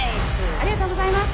ありがとうございます。